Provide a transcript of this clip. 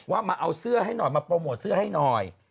ว่ามาเอาเสื้อให้หน่อยมาโปรโมทเสื้อให้หน่อย